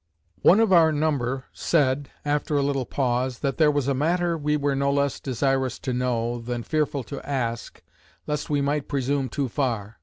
One of our number said, after a little pause; that there was a matter, we were no less desirous to know, than fearful to ask, lest we might presume too far.